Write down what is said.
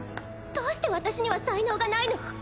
どうして私には才能がないの？